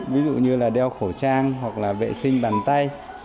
ví dụ như là đeo khẩu trang hoặc là vệ sinh bàn tay